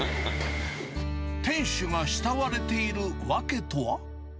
店主が慕われている訳とは。